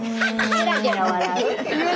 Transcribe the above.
ゲラゲラ笑う。